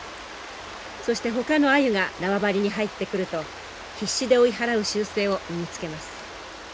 そしてほかのアユが縄張りに入ってくると必死で追い払う習性を身につけます。